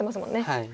はい。